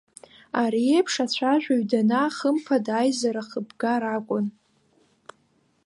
Ари еиԥш ацәажәаҩ данаа, хымԥада аизара хыбгар акәын.